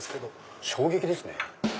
衝撃ですね。